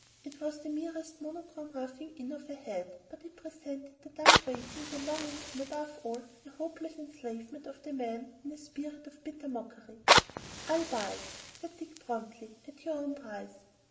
It was the merest monochrome roughing in of a head, but it presented the dumb waiting, the longing, and, above all, the hopeless enslavement of the man, in a spirit of bitter mockery. "I'll buy it," said Dick, promptly, "at your own price."